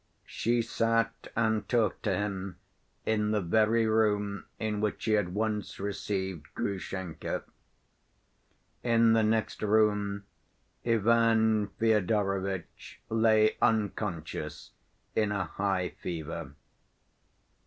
She sat and talked to him in the very room in which she had once received Grushenka. In the next room Ivan Fyodorovitch lay unconscious in a high fever.